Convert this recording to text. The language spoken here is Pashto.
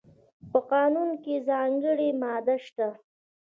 په قانون کې ځانګړې ماده نشته.